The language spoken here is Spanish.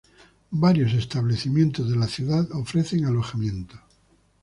Varios establecimientos de la ciudad ofrecen alojamiento.